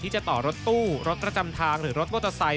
จะต่อรถตู้รถประจำทางหรือรถมอเตอร์ไซค